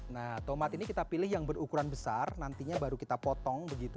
nah tomat ini kita pilih yang berukuran besar nantinya baru kita potong begitu